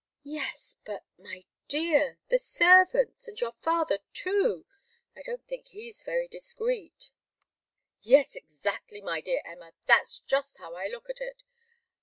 "Yes but, my dear! The servants and your father, too! I don't think he's very discreet " "Yes, exactly, my dear Emma. That's just how I look at it.